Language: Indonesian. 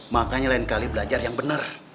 makanya lain kali belajar yang benar